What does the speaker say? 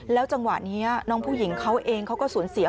จังหวะนี้น้องผู้หญิงเขาเองเขาก็สูญเสีย